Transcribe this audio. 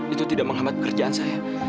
itu tidak menghambat pekerjaan saya